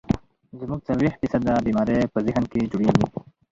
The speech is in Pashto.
زمونږ څلوېښت فيصده بيمارۍ پۀ ذهن کښې جوړيږي